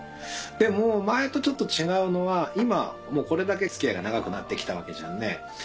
でも前とちょっと違うのは今もうこれだけ付き合いが長くなって来たわけじゃんね。